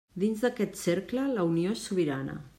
Dins d'aquest cercle, la Unió és sobirana.